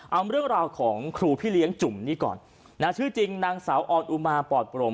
เอาเรื่องราวของครูพี่เลี้ยงจุ่มนี่ก่อนนะชื่อจริงนางสาวออนอุมาปอดโปร่ง